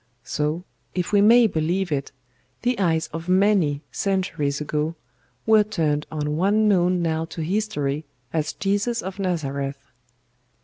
So, if we may believe it, the eyes of many, centuries ago, were turned on one known now to history as JESUS OF NAZARETH.